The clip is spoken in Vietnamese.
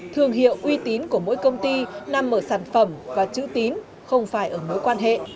thương hiệu uy tín của mỗi công ty nằm ở sản phẩm và chữ tín không phải ở mối quan hệ